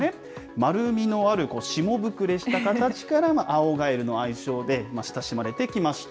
丸みのあるしもぶくれした形から青ガエルの愛称で親しまれてきました。